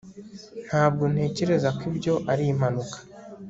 ntabwo ntekereza ko ibyo ari impanuka